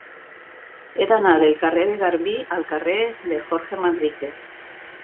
He d'anar del carrer de Garbí al carrer de Jorge Manrique.